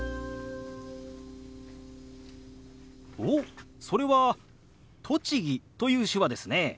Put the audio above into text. おっそれは「栃木」という手話ですね。